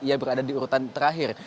ia berada di urutan terakhir